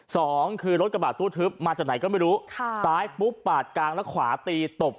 สองคือรถกระบาดตู้ทึบมาจากไหนก็ไม่รู้ค่ะซ้ายปุ๊บปาดกลางแล้วขวาตีตบ